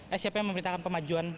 eh siapa yang memerintahkan pemajuan